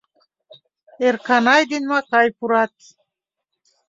Эрканай ден Макай пурат.